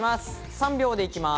３秒で行きます。